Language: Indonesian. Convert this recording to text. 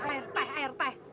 air teh air teh